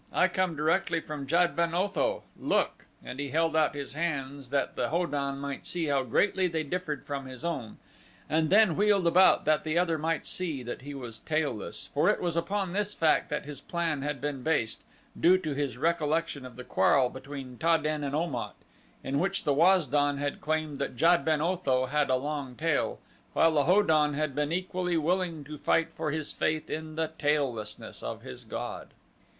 "I come directly from Jad ben Otho. Look!" and he held out his hands that the Ho don might see how greatly they differed from his own, and then wheeled about that the other might see that he was tailless, for it was upon this fact that his plan had been based, due to his recollection of the quarrel between Ta den and Om at, in which the Waz don had claimed that Jad ben Otho had a long tail while the Ho don had been equally willing to fight for his faith in the taillessness of his god.